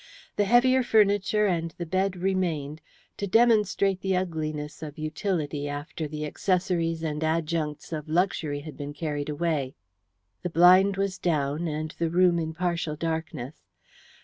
The heavier furniture and the bed remained to demonstrate the ugliness of utility after the accessories and adjuncts of luxury had been carried away. The blind was down and the room in partial darkness.